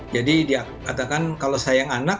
jadi dikatakan kalau sayang anak